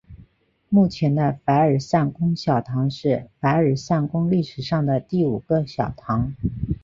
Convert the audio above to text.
目前的凡尔赛宫小堂是凡尔赛宫历史上的第五个小堂。